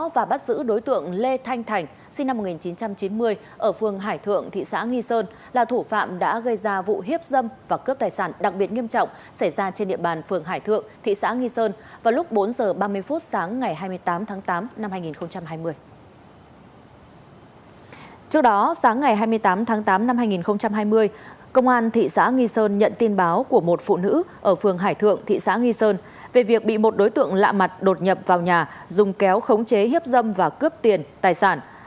về việc bị một đối tượng lạ mặt đột nhập vào nhà dùng kéo khống chế hiếp dâm và cướp tiền tài sản